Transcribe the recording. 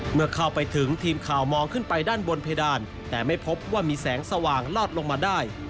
เมื่อเข้าไปถึงทีมข่าวมองขึ้นไปด้านบนเพดานแต่ไม่พบว่ามีแสงสว่างลอดลงมาได้